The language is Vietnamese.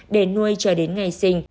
để nuôi cho đến ngày sinh